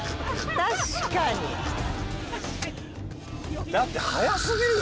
確かに！だってはやすぎるよ